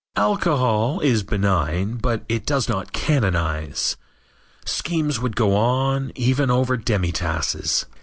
Alcohol is benign, but it does not canonize. Schemes would go on even over demitasses.